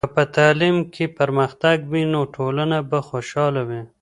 که په تعلیم کې پرمختګ وي، نو ټولنه به خوشحاله وي.